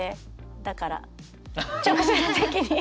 だから直接的に。